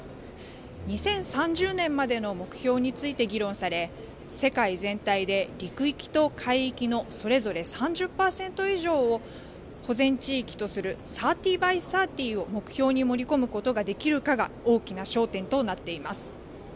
２０３０年までの目標について議論され、世界全体で陸域と海域のそれぞれ３０％以上を保全地域とする３０ｂｙ３０を目標に盛り込むことができるかが大きな焦点となっています。